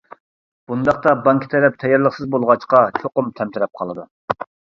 بۇنداقتا بانكا تەرەپ تەييارلىقسىز بولغاچقا، چوقۇم تەمتىرەپ قالىدۇ.